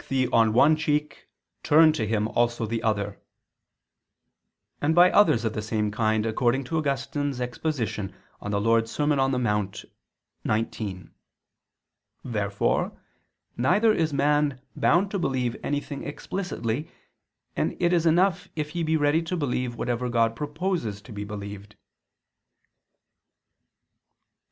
'thy right'] cheek, turn to him also the other"; and by others of the same kind, according to Augustine's exposition (De Serm. Dom. in Monte xix). Therefore neither is man bound to believe anything explicitly, and it is enough if he be ready to believe whatever God proposes to be believed. Obj.